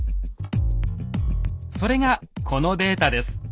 それがこのデータです。